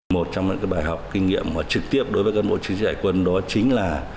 một trong những bài học kinh nghiệm trực tiếp đối với các bộ chính trị đại quân đó chính là